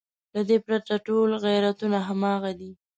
له دې پرته ټول غیرتونه همغه دي.